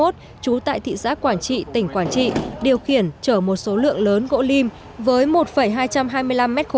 trú tại thị xã quảng trị tỉnh quảng trị điều khiển chở một số lượng lớn gỗ lim với một hai trăm hai mươi năm m ba